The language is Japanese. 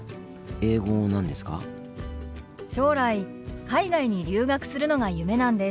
将来海外に留学するのが夢なんです。